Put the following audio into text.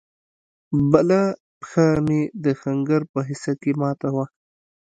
بله پښه مې د ښنگر په حصه کښې ماته وه.